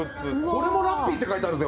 これもラッピーって書いてあるぞ